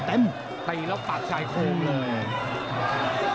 ตีแล้วปากชายโครงเลย